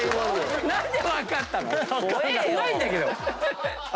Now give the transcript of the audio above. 何で分かったの⁉怖えよ。